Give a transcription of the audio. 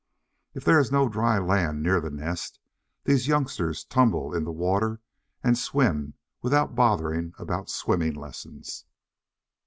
If there is no dry land near the nest, these youngsters tumble in the water and swim without bothering about swimming lessons.